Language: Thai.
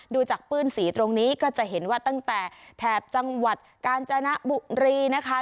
ดูจากปื้นสีตรงนี้ก็จะเห็นว่าตั้งแต่แถบจังหวัดกาญจนบุรีนะคะ